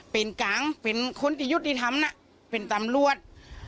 เป็นกลางเป็นคนที่ยุติธรรมนะเป็นตำรวจ